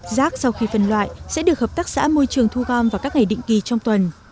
rác sau khi phân loại sẽ được hợp tác xã môi trường thu gom vào các ngày định kỳ trong tuần